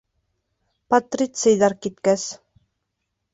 Патрицийҙар киткәс.